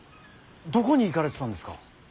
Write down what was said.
どこに行かれてたんですか。